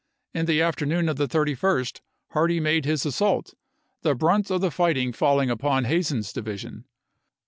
In the afternoon of the 31st Hardee made his assault, the brunt of the fighting falling upon Hazen's division.